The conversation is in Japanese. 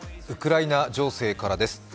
ウクライナ情勢からです。